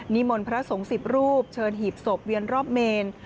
มนต์พระสงฆ์๑๐รูปเชิญหีบศพเวียนรอบเมน